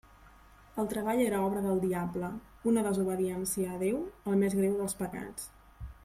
El treball era obra del diable: una desobediència a Déu, el més greu dels pecats.